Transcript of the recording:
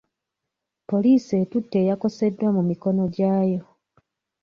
Poliisi etutte eyakoseddwa mu mikono gyayo.